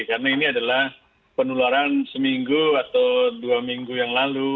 karena ini adalah penularan seminggu atau dua minggu yang lalu